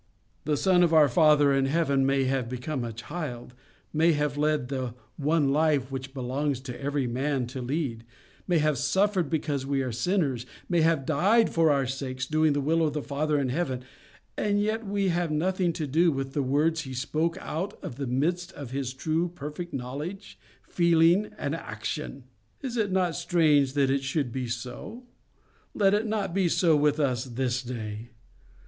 The Son of our Father in heaven may have become a child, may have led the one life which belongs to every man to lead, may have suffered because we are sinners, may have died for our sakes, doing the will of His Father in heaven, and yet we have nothing to do with the words He spoke out of the midst of His true, perfect knowledge, feeling, and action! Is it not strange that it should be so? Let it not be so with us this day.